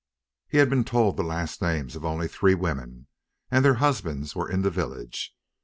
He had been told the last names of only three women, and their husbands were in the village.